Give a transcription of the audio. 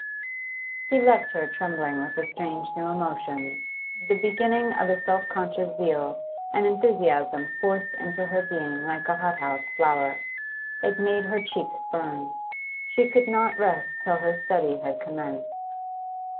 He left her trembling with a strange new emotion, the begin fling of a self conscious zeal, an enthusiasm forced into being like a hothouse flower. It made her cheeks burn; she could not rest till her study had commenced.